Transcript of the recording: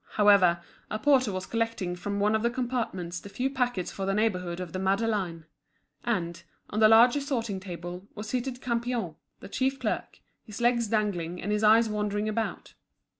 However, a porter was collecting from one of the compartments the few packets for the neighbourhood of the Madeleine; and, on the large sorting table, was seated Campion, the chief clerk, his legs dangling, and his eyes wandering about.